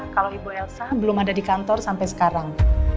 kalau ibu elsa belum ada di kantor sampai sekarang